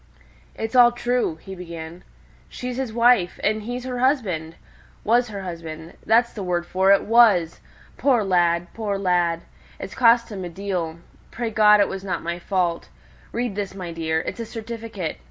"It's all true," he began; "she's his wife, and he's her husband was her husband that's the word for it was! Poor lad! poor lad! it's cost him a deal. Pray God, it wasn't my fault. Read this, my dear. It's a certificate.